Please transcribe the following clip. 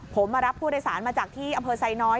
ผมมารับผู้โดยสารมาจากที่อำเภอไซน้อย